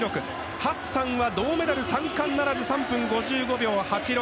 ハッサンは銅メダル３冠ならず３分５５秒８６。